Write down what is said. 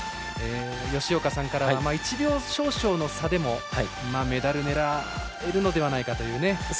吉岡さんからは１秒少々の差でもメダル狙えるのではないかという。